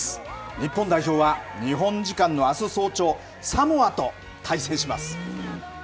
日本代表は日本時間のあす早朝サモアと対戦します。